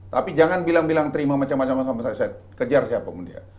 tapi jangan bilang bilang terima macam macam sama saya saya kejar siapa pun dia